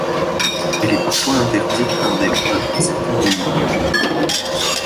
Elle est parfois interdite par des lois, dans certains pays.